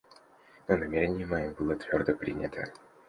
Но намерение мое было твердо принято.